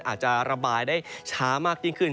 อาจจะระบายได้ช้ามากยิ่งขึ้น